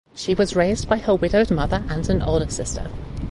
She was raised by her widowed mother and an older sister.